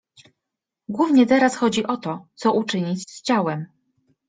Głównie teraz chodzi o to, co uczynić z ciałem?